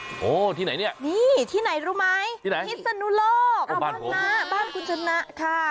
โอ้โหที่ไหนเนี่ยนี่ที่ไหนรู้ไหมที่ไหนพิศนุโลกเอาบ้างนะบ้านคุณชนะค่ะ